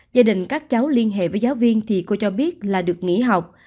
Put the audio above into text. gia đình các cháu liên hệ với giáo viên thì cô cho biết là được nghỉ học